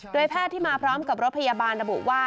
แพทย์ที่มาพร้อมกับรถพยาบาลระบุว่า